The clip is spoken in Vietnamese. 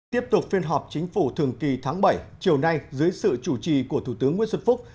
tiếp tục phiên họp chính phủ thường kỳ tháng bảy chiều nay dưới sự chủ trì của thủ tướng nguyễn xuân phúc